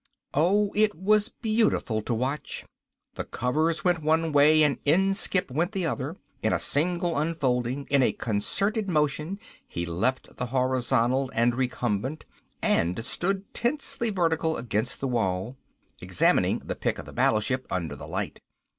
Oh, it was beautiful to watch. The covers went one way and Inskipp went the other. In a single unfolding, in concerted motion he left the horizontal and recumbent and stood tensely vertical against the wall. Examining the pic of the battleship under the light.